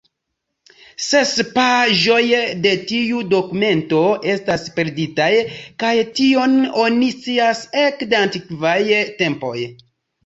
Ses paĝoj de tiu dokumento estas perditaj, kaj tion oni scias ekde antikvaj tempoj.